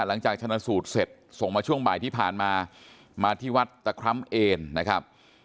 หลังจากชนะสูตรเสร็จส่งมาช่วงบ่ายที่ผ่านมามาที่วัดตะคร้ำเอนนะครับ